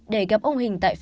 để gặp ông hình tại pháp